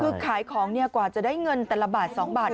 คือขายของกว่าจะได้เงินแต่ละบาท๒บาท